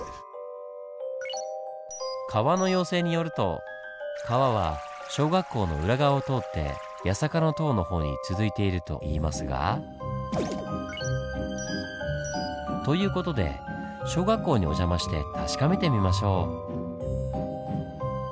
川の妖精によると川は小学校の裏側を通って八坂の塔の方に続いているといいますが。という事で小学校にお邪魔して確かめてみましょう。